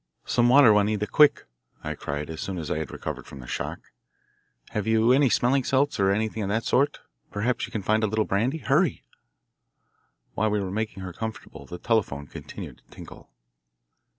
"Some water, Juanita, quick!" I cried as soon as I had recovered from the shock. "Have you any smelling salts or anything of that sort? Perhaps you can find a little brandy. Hurry." While we were making her comfortable the telephone continued to tinkle.